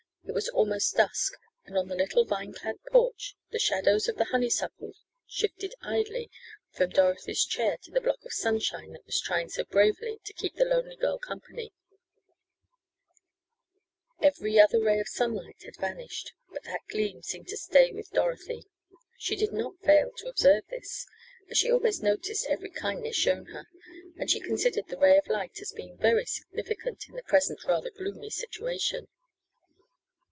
It was almost dusk and on the little vine clad porch the shadows of the honey suckle shifted idly from Dorothy's chair to the block of sunshine that was trying so bravely to keep the lonely girl company every other ray of sunlight had vanished, but that gleam seemed to stay with Dorothy. She did not fail to observe this, as she always noticed every kindness shown her, and she considered the "ray of light" as being very significant in the present rather gloomy situation.